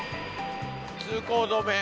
通行止め。